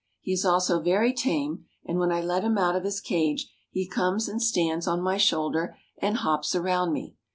He is also very tame, and when I let him out of his cage he comes and stands on my shoulder, and hops around me.